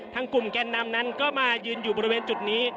กลุ่มแกนนำนั้นก็มายืนอยู่บริเวณจุดนี้